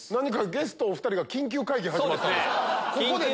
ゲストお２人緊急会議始まったんですけど。